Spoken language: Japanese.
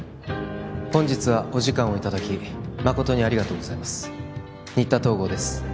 本日はお時間をいただき誠にありがとうございます新田東郷です